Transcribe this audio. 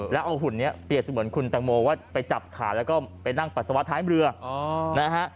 แล้วเอาหุ่นนี้เปลี่ยนเสมอของคุณตางมลว่าไปจับขาแล้วก็ไปนั่งปัสสาวะท้ายเมือง